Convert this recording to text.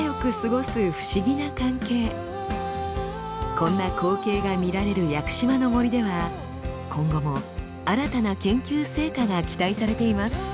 こんな光景が見られる屋久島の森では今後も新たな研究成果が期待されています。